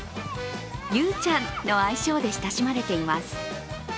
ゆうちゃんの愛称で親しまれています。